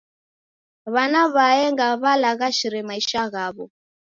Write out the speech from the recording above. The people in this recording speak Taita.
W'ana w'aenga w'alaghashire maisha ghaw'o.